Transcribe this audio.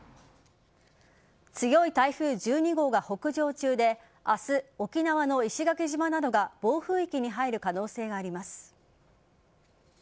強い台風１２号が北上中で明日、沖縄の石垣島などが暴風域に入る可能性があります。